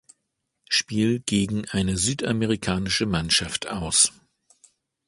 Spiel gegen eine südamerikanische Mannschaft aus.